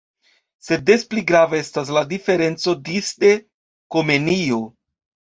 Sed des pli grava estas la diferenco disde Komenio.